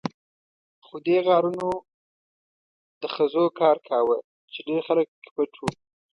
خو دې غارونو د خزو کار کاوه، چې ډېر خلک پکې پټ وو.